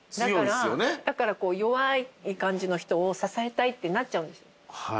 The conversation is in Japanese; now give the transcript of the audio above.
だからこう弱い感じの人を支えたいってなっちゃうんです。